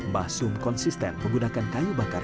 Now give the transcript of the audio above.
basum konsisten menggunakan kayu bakar yang berwarna